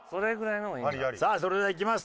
さあそれではいきます。